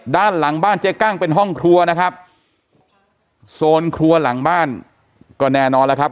ด้านหลังบ้านเจ๊กั้งเป็นห้องครัวนะครับโซนครัวหลังบ้านก็แน่นอนแล้วครับ